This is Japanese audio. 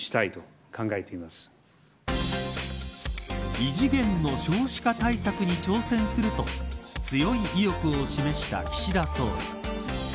異次元の少子化対策に挑戦すると強い意欲を示した岸田総理。